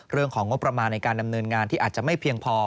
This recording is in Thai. เรื่องของงบประมาณในการดำเนินงานที่อาจจะไม่เพียงพอ